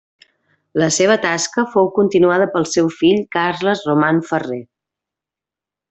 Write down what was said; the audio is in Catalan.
La seva tasca fou continuada pel seu fill Carles Roman Ferrer.